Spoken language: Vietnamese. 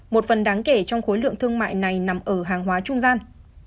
một phần đáng kể trong khối lượng thương mại này nằm ở hàng hóa trung gian